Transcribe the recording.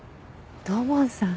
土門さん。